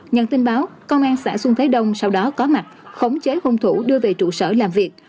nhận tin báo công an xã xuân thế đông sau đó có mặt khống chế hung thủ đưa về trụ sở làm việc